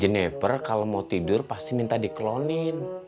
jeneper kalo mau tidur pasti minta di klonin